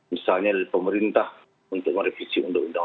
misalnya dari pemerintah untuk merevisi undang undang